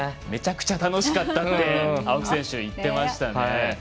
めちゃくちゃ楽しかったと青木選手、言ってましたね。